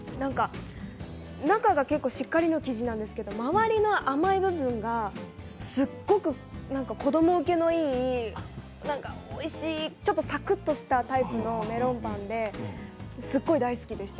中はしっかりの生地なんですけど周りの甘い部分がすごく子ども向けのおいしいちょっとサクっとしたタイプのメロンパンですごく大好きでした。